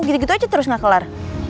gitu gitu aja terus nggak kelar